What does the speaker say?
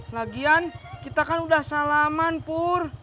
lagian kita kan udah salaman pur